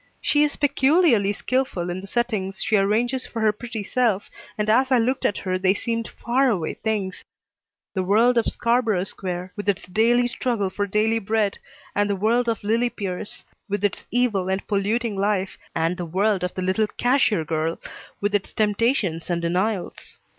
She is peculiarly skilful in the settings she arranges for her pretty self, and as I looked at her they seemed far away things, the world of Scarborough Square, with its daily struggle for daily bread, and the world of Lillie Pierce, with its evil and polluting life, and the world of the little cashier girl with its temptations and denials.